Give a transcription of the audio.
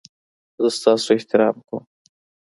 زه ستاسو احترام کوم